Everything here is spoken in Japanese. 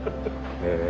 へえ！